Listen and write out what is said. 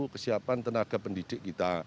kesiapan tenaga pendidik kita